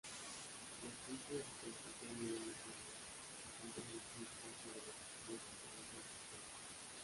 La crisis repercutió a nivel nacional, acentuando las críticas sobre el excesivo centralismo existente.